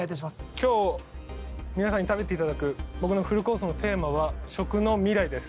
今日皆さんに食べていただく僕のフルコースのテーマは食の未来です